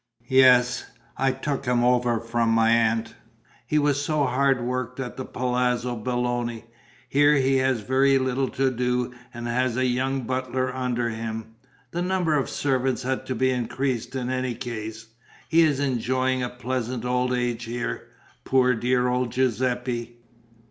"Yes, I took him over from my aunt. He was so hard worked at the Palazzo Belloni! Here he has very little to do and he has a young butler under him. The number of servants had to be increased in any case. He is enjoying a pleasant old age here, poor dear old Giuseppe....